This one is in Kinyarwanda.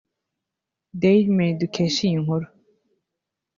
Dailymail dukesha iyi nkuru